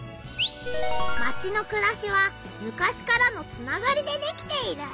マチのくらしは昔からのつながりでできている。